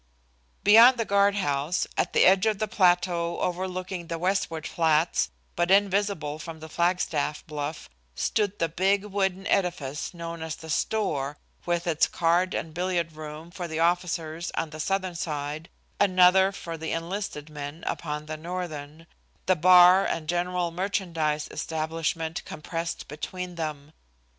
Beyond the guard house, at the edge of the plateau overlooking the westward flats, but invisible from the flagstaff bluff, stood the big wooden edifice known as the store, with its card and billiard room for the officers on the southern side, another for the enlisted men upon the northern, the bar and general merchandise establishment compressed between them.